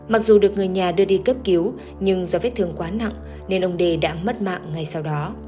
mặc dù được người nhà đưa đi cấp cứu nhưng do vết thương quá nặng nên ông đê đã mất mạng ngày sau đó